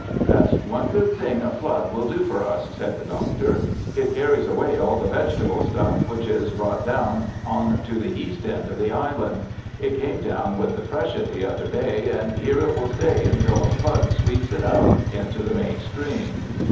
"That's one good thing a flood will do for us," said the Doctor. "It carries away all the vegetable stuff which is brought down on to the east end of the island. It came down with the freshet the other day, and here it will stay until a flood sweeps it out into the main stream.